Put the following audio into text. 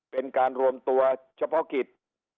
เป็นการรวมตัวเฉพาะกิจ